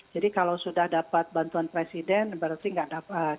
jadi kalau sudah dapat bantuan presiden berarti gak dapat